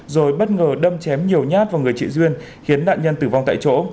rồi bất ngờ đâm chém nhiều nhát vào người chị duyên khiến nạn nhân tử vong tại chỗ